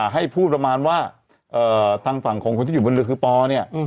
ให้พูดประมาณว่าทางฝั่งของคนที่อยู่บนเรือคือปอเนี่ย